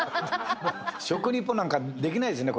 食リポなんかできないですね